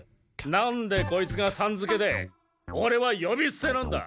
なんでこいつがさんづけでオレはよびすてなんだ？